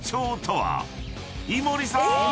［井森さーん！